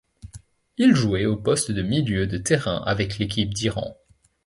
Il jouait au poste de milieu de terrain avec l'équipe d'Iran.